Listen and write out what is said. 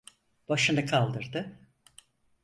Başını kaldırdı.